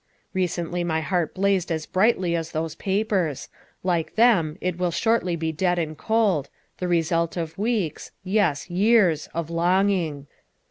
Recently my heart blazed as brightly as those papers; like them, it will shortly be dead and cold, the result of weeks yes, years of longing.